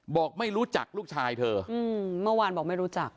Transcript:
บอกไม่รู้จักลูกชายเธอเมื่อวานบอกไม่รู้จัก